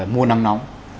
mùa nắng nóng